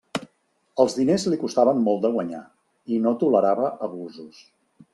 Els diners li costaven molt de guanyar, i no tolerava abusos.